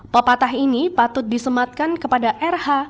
pepatah ini patut disematkan kepada rh